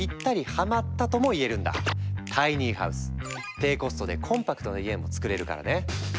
低コストでコンパクトな家もつくれるからね！